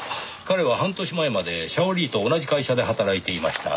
彼は半年前までシャオリーと同じ会社で働いていました。